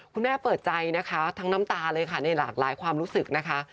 คุณแม่เปิดใจนะคะทั้งน้ำตาเลยค่ะในหลากหลายความรู้สึกนะคะ